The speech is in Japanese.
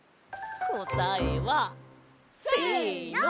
こたえは。せの！